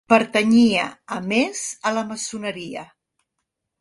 Pertanyia a més a la maçoneria.